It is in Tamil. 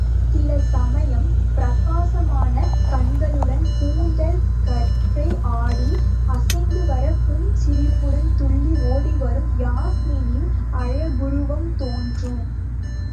சில சமயம் பிரகாசமான கண்களுடன் கூந்தல் கற்றை ஆடி அசைந்துவரப் புன்சிரிப்புடன் துள்ளி ஓடிவரும் யாஸ்மியின் அழகுருவம் தோன்றும்.